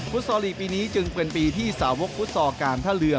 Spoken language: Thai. ซอลลีกปีนี้จึงเป็นปีที่สาวกฟุตซอลการท่าเรือ